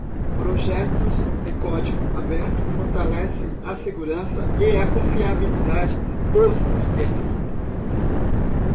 Projetos de código aberto fortalecem a segurança e confiabilidade dos sistemas.